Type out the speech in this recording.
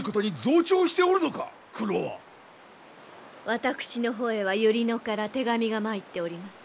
私の方へは百合野から手紙が参っております。